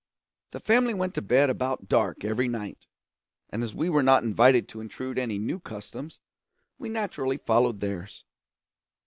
The family went to bed about dark every night, and as we were not invited to intrude any new customs, we naturally followed theirs.